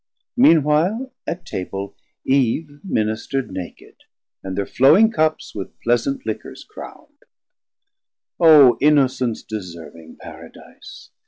Mean while at Table Eve Ministerd naked, and thir flowing cups With pleasant liquors crown'd: O innocence Deserving Paradise!